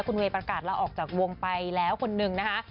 คุณเวย์ประกาศลาออกจากวงไปแล้วคนนึงนะคะ